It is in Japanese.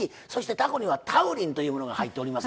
たこにはタウリンというものが入っておりますので。